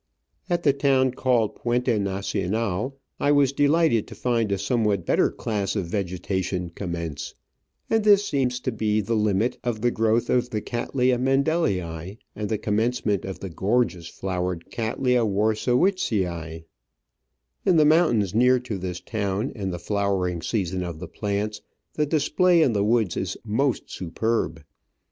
At the town called Puente Nacional I was de lighted to find a somewhat better class of vegetation commence, and this seems to be the limit of the growth of the Cattleya Mendelii, and the commence ment of the gorgeous flowered Cattleya Warscewiczii, In the mountains near to this town, in the flowering season of the plants, the display in the woods is most superb.